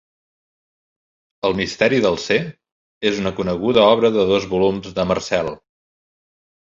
"El misteri del ser" és una coneguda obra de dos volums de Marcel.